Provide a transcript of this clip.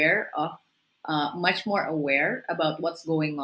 semua orang lebih yakin